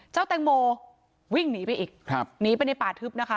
เจ้าแตงโมวิ่งหนีไปอีกครับหนีไปในป่าทึบนะคะ